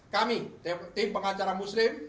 kami tim pengacara muslim